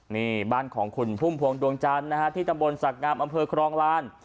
นี่บ้านของคุณพุ่มพวงดวงจันทร์นะฮะที่ตำบลศักดิ์งามอำเภอครองลาน